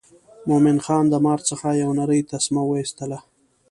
مومن خان د مار څخه یو نرۍ تسمه وایستله.